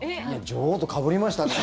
女王とかぶりましたね。